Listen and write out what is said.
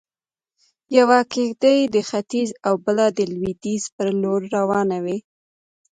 يوه کښتۍ د ختيځ او بله د لويديځ پر لور روانوي.